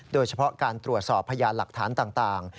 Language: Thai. โดยเฉพาะการตรวจสอบพยานหลักฐานต่าง